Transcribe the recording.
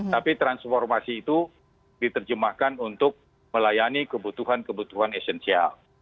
tapi transformasi itu diterjemahkan untuk melayani kebutuhan kebutuhan esensial